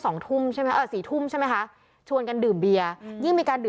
สองธุ่มฉะนั้น๔ทุ่มชั่มนะคะชวนกันดื่มเบียร์ยิ่งมีการ